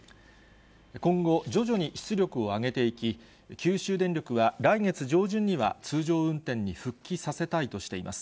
今後、徐々に出力を上げていき、九州電力は来月上旬には通常運転に復帰させたいとしています。